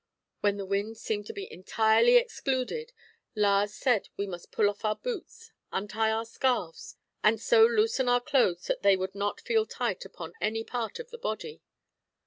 When the wind seemed to be entirely excluded Lars said we must pull off our boots, untie our scarfs, and so loosen our clothes that they would not feel tight upon any part of the body.